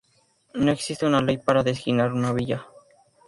No existe una ley para designar una villa.